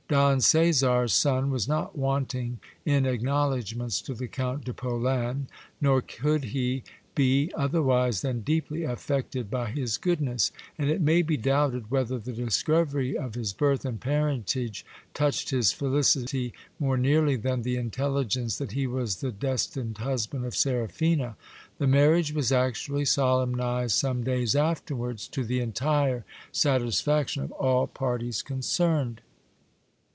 Don Caesars son was not wanting in acknowledgments to the Count de Polan, nor could he be otherwise than deeply affected by his goodness ; and it may be doubted whether the discovery of his birth and parentage touched his felicity more nearly than the intelligence that he was the destined husband of Seraphina. This marriage was actually solemnized some days afterwards, to the entire satisfaction of all parties concerned.